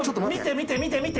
見て見て見て！